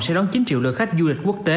sẽ đón chín triệu lượt khách du lịch quốc tế